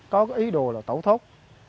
có ý đồ là tẩu thốt